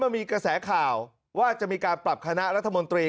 มีกระแสข่าวว่าจะมีการปรับคณะรัฐมนตรี